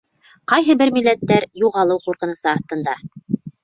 Ҡайһы бер милләттәр — юғалыу ҡурҡынысы аҫтында.